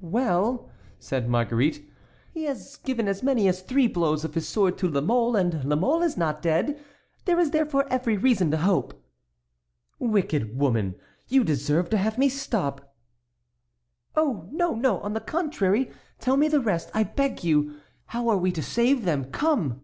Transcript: "Well," said Marguerite, "he has given as many as three blows of his sword to La Mole, and La Mole is not dead; there is therefore every reason to hope." "Wicked woman! You deserve to have me stop." "Oh! no, no; on the contrary, tell me the rest, I beg you. How are we to save them; come!"